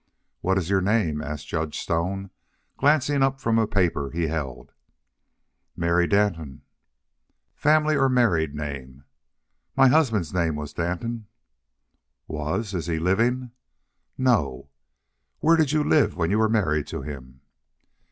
"What is your name?" asked Judge Stone, glancing up from a paper he held. "Mary Danton." "Family or married name?" "My husband's name was Danton." "Was. Is he living?" "No." "Where did you live when you were married to him?"